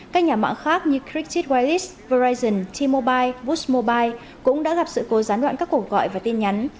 các nhà mạng khác như cricket wireless verizon t mobile boost mobile cũng đã gặp sự cố gián đoạn các cuộc gọi và tin nhắn